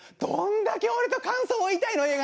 どんだけ俺と感想を言いたいの？